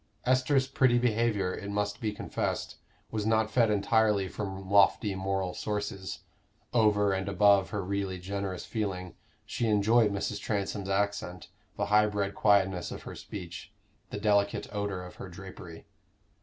Esther's pretty behavior, it must be confessed, was not fed entirely from lofty moral sources: over and above her really generous feeling, she enjoyed Mrs. Transome's accent, the high bred quietness of her speech, the delicate odor of her drapery.